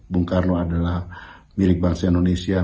bung karno adalah milik bangsa indonesia